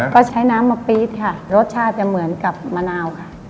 ก็ใช้น้ำมะปี๊ดค่ะรสชาติจะเหมือนกับมะนาวค่ะ